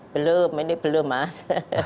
belum ini belum mas